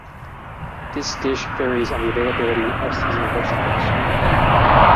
This dish varies on the availability of seasonal vegetables.